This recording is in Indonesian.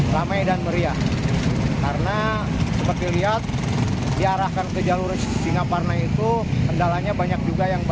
lempeng gutsa dari tangga